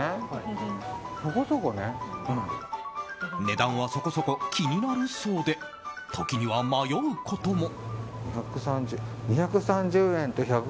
値段はそこそこ気になるそうで時には迷うことも。